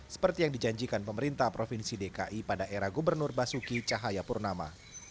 seperti yang dijanjikan pemerintah provinsi dki pada era gubernur basuki cahayapurnama